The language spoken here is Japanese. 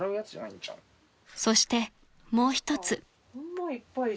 ［そしてもう一つ］